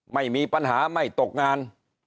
ไม่มีปัญหาไม่ตกงาน